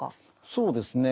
そうですね